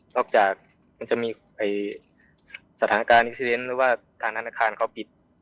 นอกจากมันจะมีสถานการณ์อีกสิทธิ์เรียนหรือว่าธนาคารเขาปิด